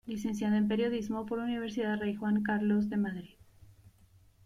Licenciada en Periodismo por Universidad Rey Juan Carlos de Madrid.